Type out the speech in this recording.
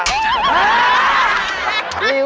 หรือว่าตะหลิวว่าตะหลียา